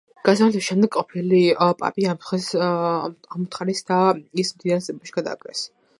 გასამართლების შემდეგ ყოფილი პაპი ამოთხარეს და ის მდინარე ტიბრში გადააგდეს.